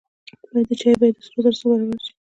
باید د چای بیه د سرو زرو څو برابره شي.